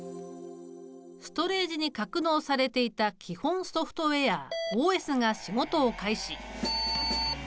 ストレージに格納されていた基本ソフトウェアＯＳが仕事を開始。